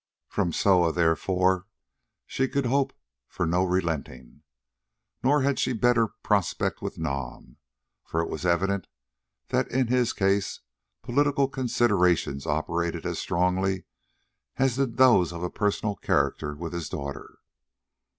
From Soa, therefore, she could hope for no relenting. Nor had she better prospect with Nam, for it was evident that in his case political considerations operated as strongly as did those of a personal character with his daughter.